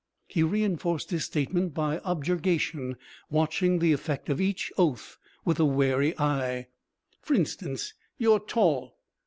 _" He reinforced his statement by objurgation, watching the effect of each oath with a wary eye. "F'r instance. You're tall.